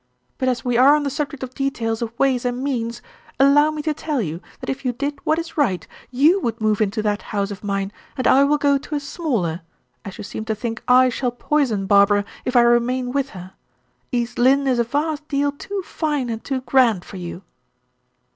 "But as we are on the subject of details of ways and means, allow me to tell you that if you did what is right, you would move into that house of mine, and I will go to a smaller as you seem to think I shall poison Barbara if I remain with her. East Lynne is a vast deal too fine and too grand for you."